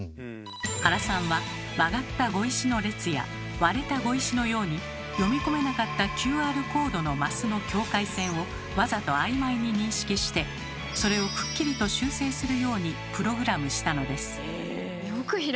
原さんは曲がった碁石の列や割れた碁石のように読み込めなかったＱＲコードのマスの境界線をわざとあいまいに認識してそれをくっきりと修正するようにプログラムしたのです。